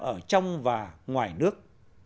ở trong và ngoài nước